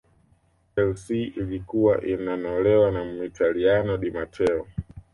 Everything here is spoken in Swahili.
chelsea ilikuwa inanolewa na Muitaliano di mateo